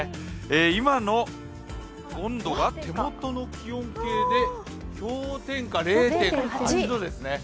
今の温度が手元の気温計で氷点下０．８度ですね。